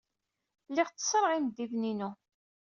Lliɣ tteṣṣreɣ imeddiden-inu.